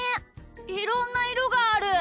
いろんないろがある。